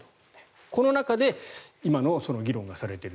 この中で今の議論がされている。